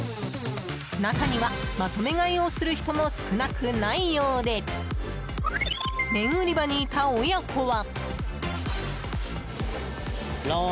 中には、まとめ買いをする人も少なくないようで麺売り場にいた親子は。